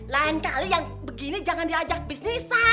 lain kali yang begini jangan diajak bisnisan ya ella